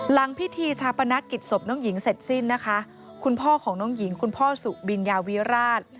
หลังพิธีชาปนกิจศพน้องหญิงเสร็จสิ้นนะคะคุณพ่อของน้องหญิงคุณพ่อสุบินยาวิราช